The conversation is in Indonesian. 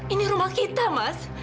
ini rumah kita mas